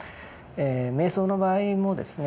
瞑想の場合もですね